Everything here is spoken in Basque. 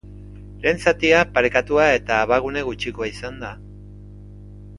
Lehen zatia parekatua eta abagune gutxikoa izan da.